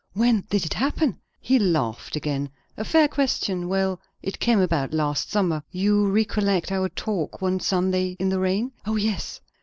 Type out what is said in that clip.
"When did it happen?" He laughed again. "A fair question. Well, it came about last summer. You recollect our talk one Sunday in the rain?" "O yes!"